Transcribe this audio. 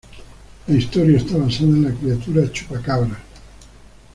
La historia está basada en la criatura chupacabras.